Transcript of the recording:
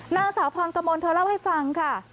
นางสาวพรกมลเธอเล่าให้ฟังค่ะ